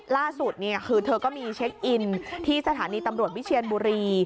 ล่าสุดคือเธอก็มีเช็คอินที่สถานีตำรวจวิเชียนบุรี